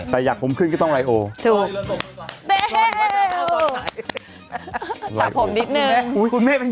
แต่อยากอุ้มขึ้นก็ต้องไลโอจุบโอ้ยเริ่มตกเลยก่อน